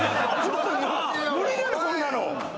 無理だよこんなの。